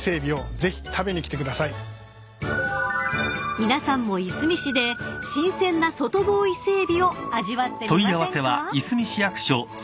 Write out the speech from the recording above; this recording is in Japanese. ［皆さんもいすみ市で新鮮な外房イセエビを味わってみませんか］